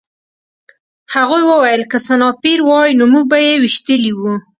هغوی وویل که سنایپر وای نو موږ به یې ویشتلي وو